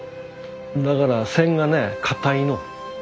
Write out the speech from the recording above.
だから線がね硬いの。